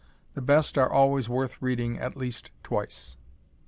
The best are always worth reading at least twice.